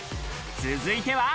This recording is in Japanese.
続いては。